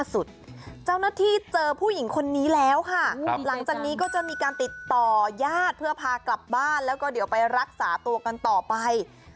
เจ้าหน้าที่เจอผู้หญิงคนนี้แล้วค่ะหลังจากนี้ก็จะมีการติดต่อยาดเพื่อพากลับบ้านแล้วก็เดี๋ยวไปรักษาตัวกันต่อไป